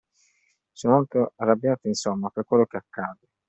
Sono molto arrabbiate, insomma, per quello che accade.